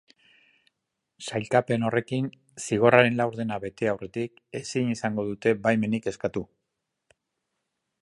Sailkapen horrekin, zigorraren laurdena bete aurretik ezin izango dute baimenik eskatu.